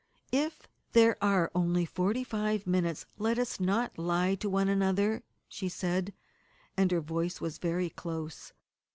"If there are only forty five minutes let us not lie to one another," she said, and her voice was very close.